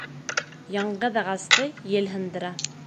Яңғыҙ ағасты ел һындыра.